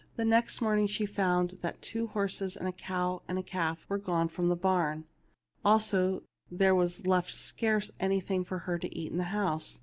The next morning she found that the two horses and the cow and calf were gone from the barn ; also that there was left scarce anything for her to eat in the house.